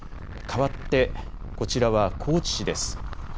かわって、こちらは高知市です。